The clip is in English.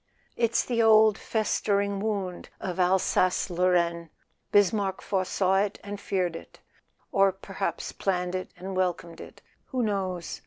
"It's the old festering wound of Alsace Lorraine: Bismarck foresaw it and feared it—or perhaps planned it and welcomed it: who knows?